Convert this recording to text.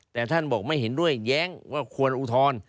แต่ท่านบอกไม่เห็นด้วยแย้งว่าควรอุทธรณ์